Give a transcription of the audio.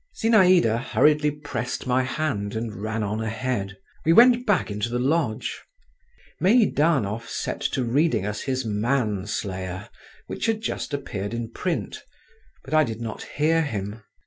Zinaïda hurriedly pressed my hand and ran on ahead. We went back into the lodge. Meidanov set to reading us his "Manslayer," which had just appeared in print, but I did not hear him.